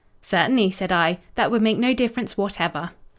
"'Certainly,' said I. 'That would make no difference whatever.